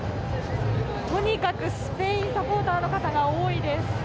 とにかくスペインサポーターの方が多いです。